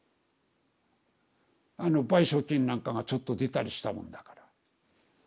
賠償金なんかがちょっと出たりしたもんだから。